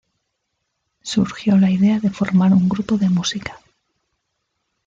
Surgió la idea de formar un grupo de música.